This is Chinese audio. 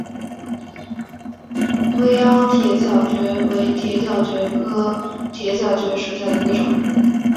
微凹铁角蕨为铁角蕨科铁角蕨属下的一个种。